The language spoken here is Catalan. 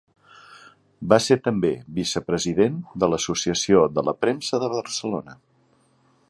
Va ser també vicepresident de l'Associació de la Premsa de Barcelona.